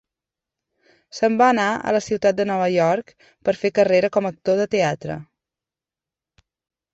Se'n va anar a la ciutat de Nova York per fer carrera com a actor de teatre.